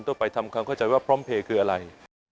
ต้องไปทำความเข้าใจว่าพร้อมเพลย์คืออะไร